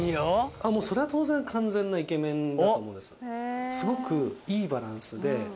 もうそれは当然完全なイケメンだと思うんです